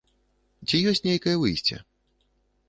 Ці ёсць нейкае выйсце?